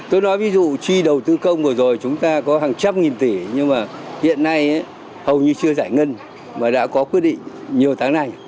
tôi nói ví dụ chi đầu tư công vừa rồi chúng ta có hàng trăm nghìn tỷ nhưng mà hiện nay hầu như chưa giải ngân mà đã có quyết định nhiều tháng này